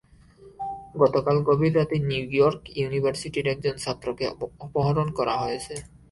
গতকাল গভীর রাতে নিউইয়র্ক ইউনিভার্সিটির একজন ছাত্রকে অপহরণ করা হয়েছে।